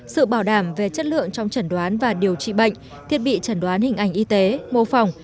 sự bảo đảm về chất lượng trong chẩn đoán và điều trị bệnh thiết bị chẩn đoán hình ảnh y tế mô phòng